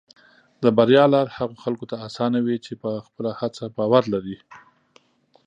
د بریا لار هغه خلکو ته اسانه وي چې په خپله هڅه باور لري.